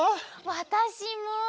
わたしも！